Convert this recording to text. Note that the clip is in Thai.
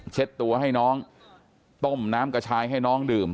ตัวให้น้องต้มน้ำกระชายให้น้องดื่ม